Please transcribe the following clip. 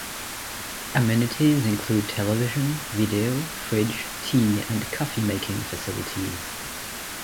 Amenities include television, video, fridge, tea and coffee making facilities.